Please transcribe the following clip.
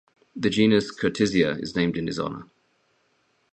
The genus "Curtisia" is named in his honour.